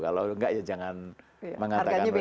kalau nggak ya jangan mengatakan umkm